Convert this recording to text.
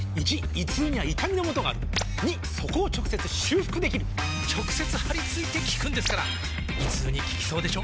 ①胃痛には痛みのもとがある②そこを直接修復できる直接貼り付いて効くんですから胃痛に効きそうでしょ？